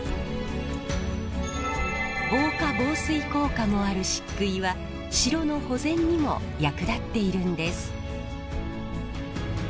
防火防水効果もあるしっくいは城の保全にも役立っているんです。